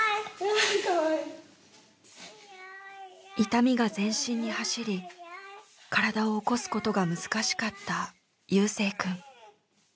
痛みが全身に走り体を起こすことが難しかった夕青くん。